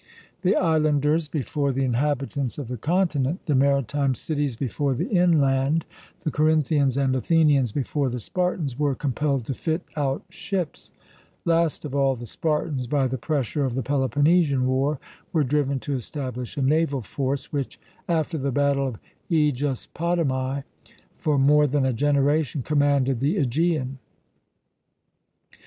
The islanders before the inhabitants of the continent, the maritime cities before the inland, the Corinthians and Athenians before the Spartans, were compelled to fit out ships: last of all the Spartans, by the pressure of the Peloponnesian War, were driven to establish a naval force, which, after the battle of Aegospotami, for more than a generation commanded the Aegean.